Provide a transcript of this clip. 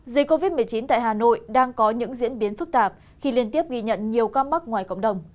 dịch covid một mươi chín tại hà nội đang có những diễn biến phức tạp khi liên tiếp ghi nhận nhiều ca mắc ngoài cộng đồng